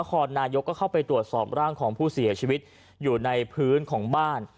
คอนนายกก็เข้าไปตรวจสอบร่างของผู้เสียชีวิตอยู่ในพื้นของบ้าน